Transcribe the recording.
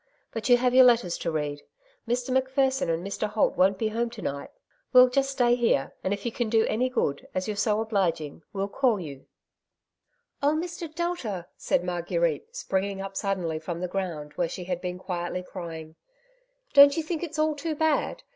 But you have your letters to read. Mr. Macpherson and Mr. Holt won't be home to night. We'll just stay here, A Dark Side oftJte Question. 145 and if you cau do any good^ as you^re so obliging, we'll call you/' " Oh, Mr. Delta !'' said Marguerite, springing np suddenly from the ground, where she had been quietly crying, '^ don't you think it's all too bad